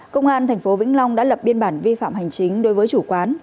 công an tp vĩnh long đã lập biên bản vi phạm hành chính đối với chủ quán